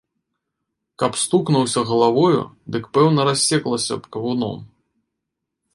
Каб стукнуўся галавою, дык пэўна рассеклася б кавуном.